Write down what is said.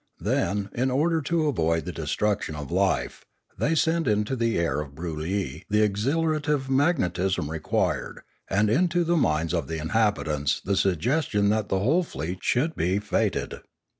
Then, in order to avoid the destruction of life, they sent into the air of Broolyi the exhilarative magnetism required, and into the minds of the inhabitants the suggestion that the whole fleet should be fi&ted.